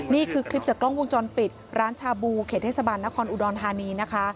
นี่คือคลิปจากกล้องวงจรปิดร้านชาบูเขตเทศบาลนครอุดรธานีนะคะ